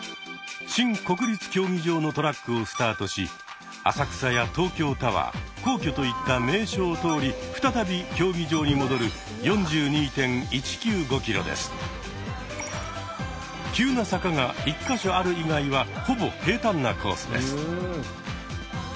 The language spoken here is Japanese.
新国立競技場のトラックをスタートし浅草や東京タワー皇居といった名所を通り再び競技場に戻る急な坂が１か所ある以外はほぼ平たんなコースです。